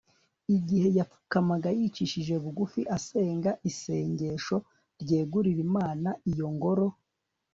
igihe yapfukamaga yicishije bugufi asenga isengesho ryeguriraga imana iyo ngoro